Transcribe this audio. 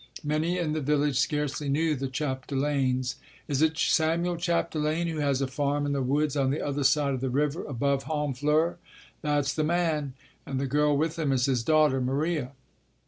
Many in the village scarcely knew the Chapdelaines. "Is it Samuel Chapdelaine who has a farm in the woods on the other side of the river, above Honfleur?" "That's the man." "And the girl with him is his daughter? Maria